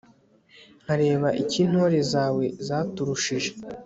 nkareba icyo intore zawe zaturushije